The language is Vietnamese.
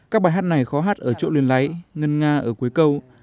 các bài hát này khó hát ở chỗ liền láy ngân nga ở cuối câu